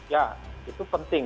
ya itu penting